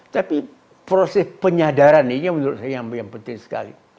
tapi proses penyadaran ini menurut saya yang penting sekali